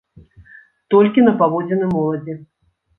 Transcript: Толькі на паводзіны моладзі.